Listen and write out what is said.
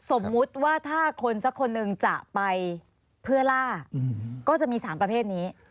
สมมุติว่าถ้าคนสักคนหนึ่งจะไปเพื่อล่าก็จะมี๓ประเภทนี้